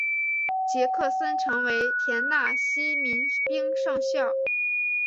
杰克森成为田纳西民兵上校。